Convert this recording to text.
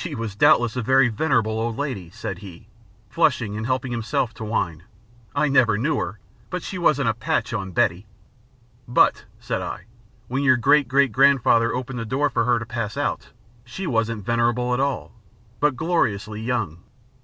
"She was doubtless a very venerable old lady," said he, flushing and helping himself to wine. "I never knew her, but she wasn't a patch on Betty!" "But," said I, "when your great great grandfather opened the door for her to pass out, she wasn't venerable at all, but gloriously young."